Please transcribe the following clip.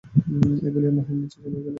এই বলিয়া মহিম নীচে চলিয়া গেলেন।